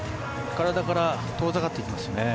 体から遠ざかっていきますね。